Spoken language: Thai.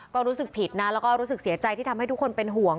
ก็รู้สึกผิดนะแล้วก็รู้สึกเสียใจที่ทำให้ทุกคนเป็นห่วง